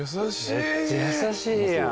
めっちゃ優しいやん。